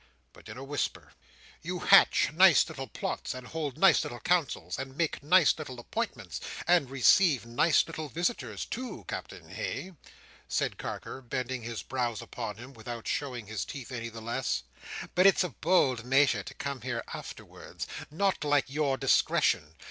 But in a whisper. "You hatch nice little plots, and hold nice little councils, and make nice little appointments, and receive nice little visitors, too, Captain, hey?" said Carker, bending his brows upon him, without showing his teeth any the less: "but it's a bold measure to come here afterwards. Not like your discretion!